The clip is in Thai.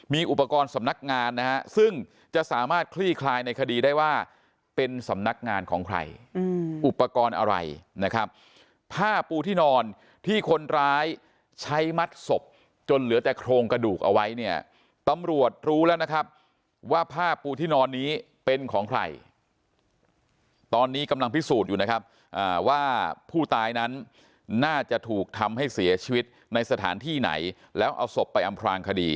มีอุปกรณ์สำนักงานนะฮะซึ่งจะสามารถคลี่คลายในคดีได้ว่าเป็นสำนักงานของใครอุปกรณ์อะไรนะครับผ้าปูที่นอนที่คนร้ายใช้มัดศพจนเหลือแต่โครงกระดูกเอาไว้เนี่ยตำรวจรู้แล้วนะครับว่าผ้าปูที่นอนนี้เป็นของใครตอนนี้กำลังพิสูจน์อยู่นะครับว่าผู้ตายนั้นน่าจะถูกทำให้เสียชีวิตในสถานที่ไหนแล้วเอาศพไปอำพลางคดี